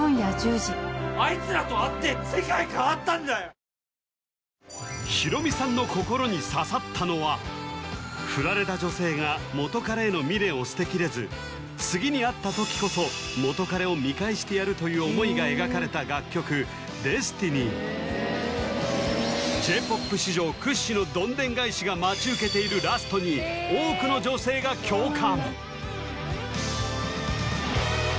新「グリーンズフリー」ヒロミさんの心に刺さったのはフラれた女性が元カレへの未練を捨てきれず次に会った時こそ元カレを見返してやるという想いが描かれた楽曲「ＤＥＳＴＩＮＹ」Ｊ−ＰＯＰ史上屈指のどんでん返しが待ち受けているラストに多くの女性が共感